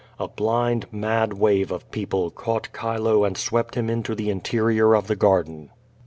A blind, mad, wave of people caught Chilo and swept him into the interior of the garden.